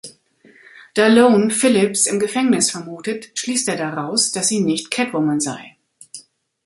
Da Lone Phillips im Gefängnis vermutet, schließt er daraus, dass sie nicht Catwoman sei.